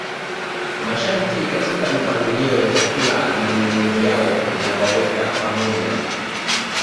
Masharti katika mipangilio ya chakula na mienendo yao yanawaweka pamoja